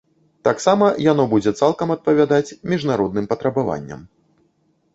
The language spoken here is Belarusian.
Таксама яно будзе цалкам адпавядаць міжнародным патрабаванням.